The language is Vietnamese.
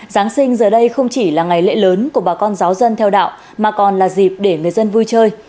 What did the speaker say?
giáng sinh giờ đây không chỉ là ngày lễ lớn của bà con giáo dân theo đạo mà còn là dịp để người dân vui chơi